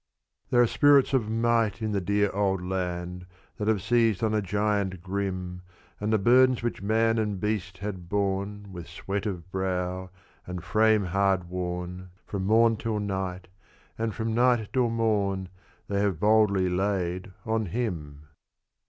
There are spirits of might in the "Dear Old Land," That have seized on a giant grim, And the burdens which man and beast had borne With sweat of brow, and frame hard worn From morn till night, and from night till morn, They have boldly laid on him.